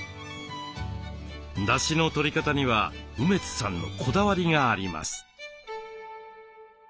だしのとり方には梅津さんのこだわりがあります。